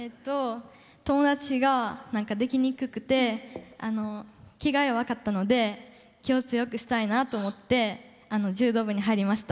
友達ができにくくて気が弱かったので気を強くしたいなと思ったので柔道部に入りました。